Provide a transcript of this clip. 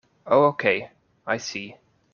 Oh okay, I see.